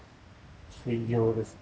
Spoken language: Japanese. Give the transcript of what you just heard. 大量ですね。